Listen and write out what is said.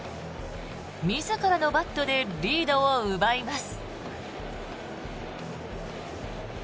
自らのバットでリードを奪います。